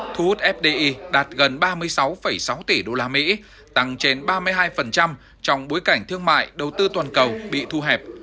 thu hút fdi đạt gần ba mươi sáu sáu tỷ usd tăng trên ba mươi hai trong bối cảnh thương mại đầu tư toàn cầu bị thu hẹp